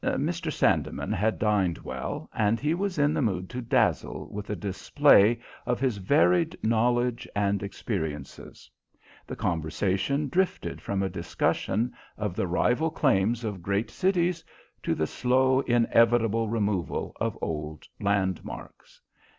Mr. Sandeman had dined well, and he was in the mood to dazzle with a display of his varied knowledge and experiences. The conversation drifted from a discussion of the rival claims of great cities to the slow, inevitable removal of old landmarks.